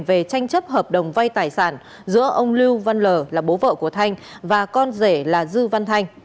về tranh chấp hợp đồng vay tài sản giữa ông lưu văn lờ là bố vợ của thanh và con rể là dư văn thanh